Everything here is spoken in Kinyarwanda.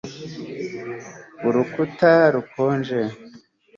Urukuta rukonje